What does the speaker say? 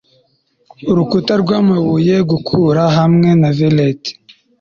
urukuta rw'amabuye. gukura hamwe na velheti